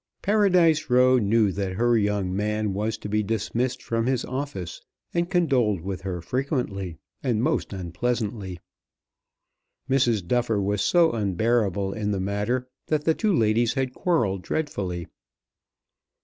Paradise Row knew that her young man was to be dismissed from his office, and condoled with her frequently and most unpleasantly. Mrs. Duffer was so unbearable in the matter that the two ladies had quarrelled dreadfully.